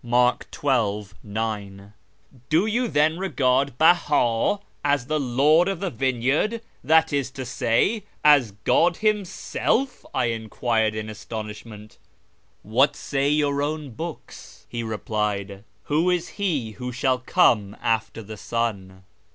'"^ "Do you then regard Beha as the Lord of the vineyard, that is to say, as God Himself ?" I enquired in astonishment. " What say your own books ?" he replied. " Who is He who shall come after the Son